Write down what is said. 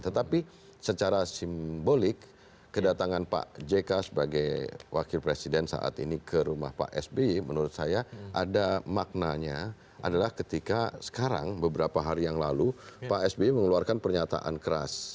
tetapi secara simbolik kedatangan pak jk sebagai wakil presiden saat ini ke rumah pak sby menurut saya ada maknanya adalah ketika sekarang beberapa hari yang lalu pak sby mengeluarkan pernyataan keras